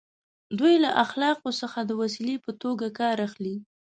دوی له اخلاقو څخه د وسیلې په توګه کار اخلي.